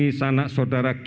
ia adalah sebuah hak